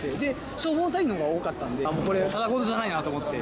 消防隊員が多かったんで、これはただごとじゃないなと思って。